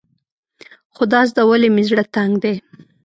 خدازده ولې مې زړه تنګ دی.